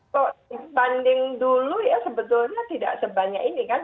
kok dibanding dulu ya sebetulnya tidak sebanyak ini kan